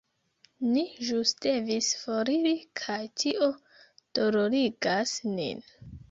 Ni ĵus devis foriri kaj tio dolorigas nin.